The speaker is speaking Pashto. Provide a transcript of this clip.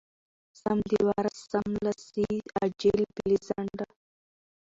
سم د واره= سملاسې، عاجل، بې له ځنډه.